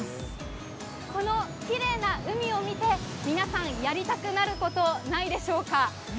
このきれいな海を見て、皆さんやりたくなること、ないでしょうか？